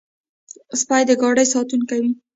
سپي د ګاډي ساتونکي وي.